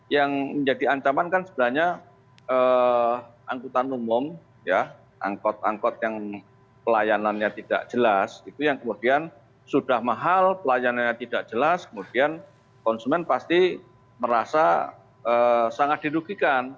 yang menjadi ancaman kan sebenarnya angkutan umum angkot angkot yang pelayanannya tidak jelas itu yang kemudian sudah mahal pelayanannya tidak jelas kemudian konsumen pasti merasa sangat dirugikan